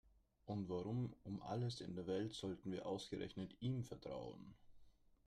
Und warum um alles in der Welt sollten wir ausgerechnet ihm vertrauen?